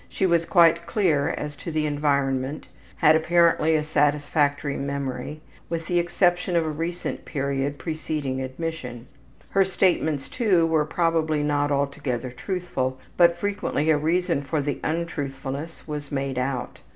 She was quite clear as to the environment, had apparently a satisfactory memory, with the exception of a recent period preceding admission. Her statements, too, were probably not altogether truthful, but frequently a reason for the untruthfulness was made out.